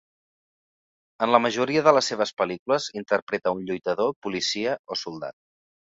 En la majoria de les seves pel·lícules interpreta a un lluitador, policia, o soldat.